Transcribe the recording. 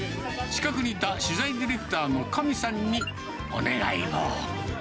近くにいた取材ディレクターのカミさんにお願いを。